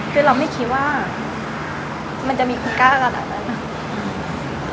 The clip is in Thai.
คือเราไม่คิดว่ามันจะมีคุณกล้าขนาดนั้น